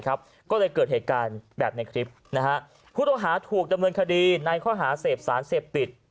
ก็เลยเกิดเหตุการณ์แบบในคลิปผู้ต้องหาถูกดำเนินคดีในข้อหาเสพสารเสพติด